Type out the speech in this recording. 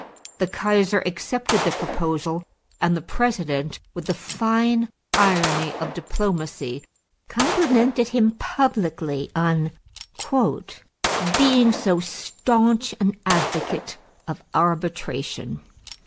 The Kaiser accepted the proposal and the President, with the fine irony of diplomacy, complimented him publicly on "being so stanch an advocate of arbitration."